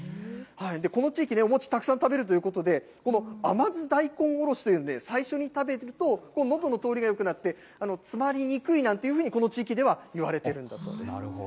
この地域でお餅たくさん食べるということで、この甘酢大根おろしという、最初に食べると、のどの通りがよくなって、詰まりにくいなんていうふうにこの地域では言われてるんだそうです。